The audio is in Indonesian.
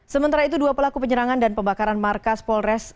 sementara itu dua pelaku penyerangan dan pembakaran markas polres